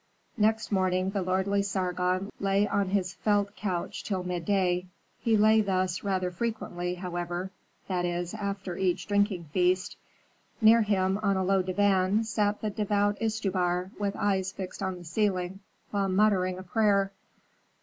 Next morning the lordly Sargon lay on his felt couch till midday. He lay thus rather frequently, however, that is, after each drinking feast. Near him, on a low divan, sat the devout Istubar, with eyes fixed on the ceiling, while muttering a prayer.